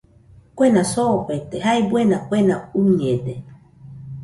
Kuena soofete jae buena kuena uiñede